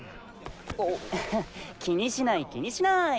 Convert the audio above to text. フフッ気にしない気にしない。